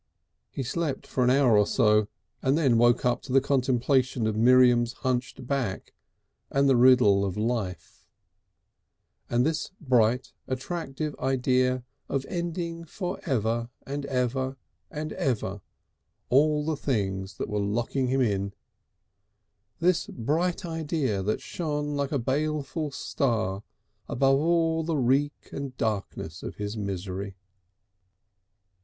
He slept for an hour or so and then woke up to the contemplation of Miriam's hunched back and the riddle of life, and this bright attractive idea of ending for ever and ever and ever all the things that were locking him in, this bright idea that shone like a baleful star above all the reek and darkness of his misery....